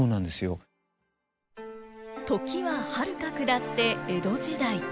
時ははるか下って江戸時代。